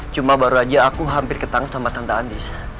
cuma baru aja aku hampir ketangkep sama tante andis